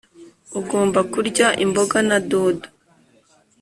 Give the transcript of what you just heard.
ugomba kurya imboga na dodo